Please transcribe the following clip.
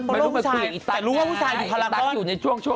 ไม่รู้มาคุยกับอีตั๊กไงอีตั๊กอยู่ในช่วงช่วง